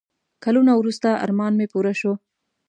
کلونه وروسته ارمان مې پوره شو.